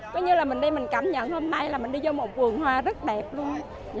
có như mình đây mình cảm nhận hôm nay là mình đi vô một vườn hoa rất đẹp luôn